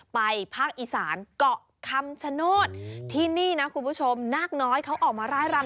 ภาคอีสานเกาะคำชโนธที่นี่นะคุณผู้ชมนาคน้อยเขาออกมาร่ายรำ